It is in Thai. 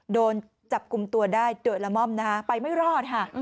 โดนจับกลุ่มตัวได้โดยละม่อมนะคะไปไม่รอดค่ะ